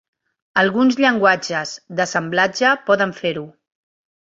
Alguns llenguatges d'assemblatge poden fer-ho.